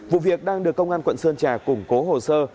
vụ việc đang được công an quận sơn trà củng cố hồ sơ